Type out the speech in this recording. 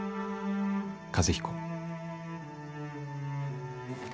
和彦」。